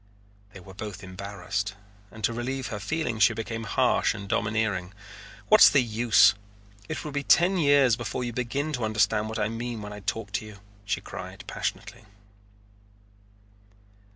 They were both embarrassed, and to relieve her feeling she became harsh and domineering. "What's the use? It will be ten years before you begin to understand what I mean when I talk to you," she cried passionately.